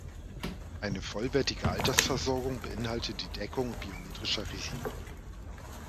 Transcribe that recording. Eine vollwertige Altersversorgung beinhaltet die Deckung biometrischer Risiken.